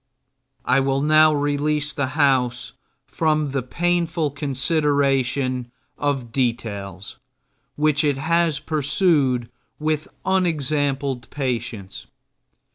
I will now release the House from the painful consideration of details which it has pursued with unexampled patience.